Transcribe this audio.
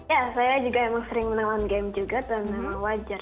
ya saya juga emang sering menonton game juga dan memang wajar